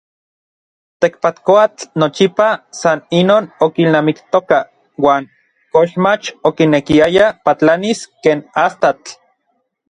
Tekpatkoatl nochipa san inon okilnamiktoka uan koxmach okinekiaya patlanis ken astatl.